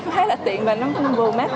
nó khá là tiện và nó không vô mét